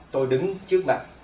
tôi đứng trước mặt